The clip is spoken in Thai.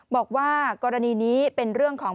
บอกว่ากรณีนี้เป็นเรื่องของ